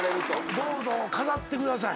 どうぞ飾ってください。